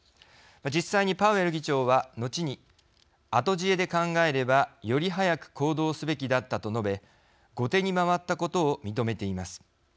実際にパウエル議長は、後に「後知恵で考えればより早く行動すべきだった」と述べ、後手に回ったことを認めています。